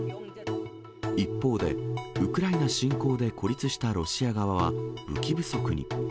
一方で、ウクライナ侵攻で孤立したロシア側は、武器不足に。